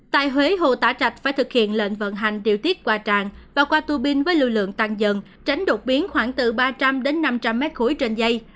tại huế hồ tả trạch phải thực hiện lệnh vận hành điều tiết qua trạng và qua tu binh với lưu lượng tăng dần tránh đột biến khoảng từ ba trăm linh năm trăm linh m ba trên dây